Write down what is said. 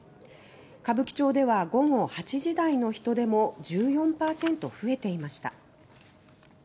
歌舞伎町では午後８時台の人出も１４％増えていました。